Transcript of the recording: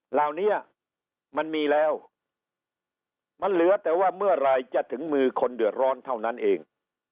เหล่านี้มันมีแล้วมันเหลือแต่ว่าเมื่อไหร่จะถึงมือคนเดือดร้อนเท่านั้นเอง